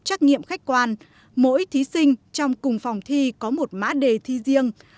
trách nghiệm khách quan mỗi thí sinh trong cùng phòng thi có một mã đề thi riêng